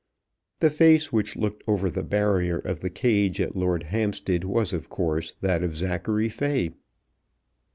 The face which looked over the barrier of the cage at Lord Hampstead was of course that of Zachary Fay.